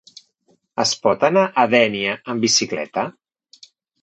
Es pot anar a Dénia amb bicicleta?